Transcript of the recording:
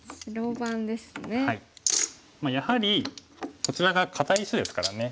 やはりこちらが堅い石ですからね。